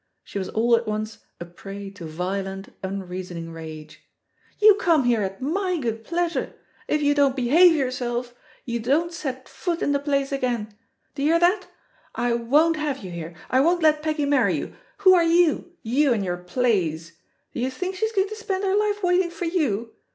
She was all at once a prey to violent, unreasoning rage. You come here at my good pleasure. If you don't behave yourself, you don't set foot in the place again 1 D'ye hear that? I won't have you here; I won't let Peggy marry you. Who are you — you and your plays? Do you think she's going to spend her life waiting for you?